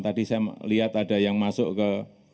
tadi saya lihat ada yang masuk ke